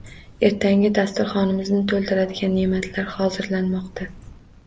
Ertangi dasturxonimizni toʻldiradigan neʼmatlar hozirlanmoqda